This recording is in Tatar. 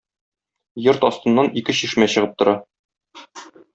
Йорт астыннан ике чишмә чыгып тора.